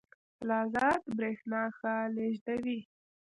فلزات برېښنا ښه لیږدوي.